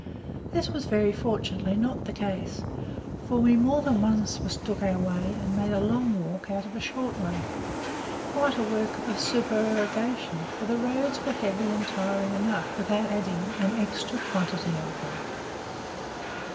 This was very fortunately not the case, for we more than once mistook our way, and made a long walk out of a short one quite a work of supererogation for the roads were heavy and tiring enough without adding an extra quantity of them.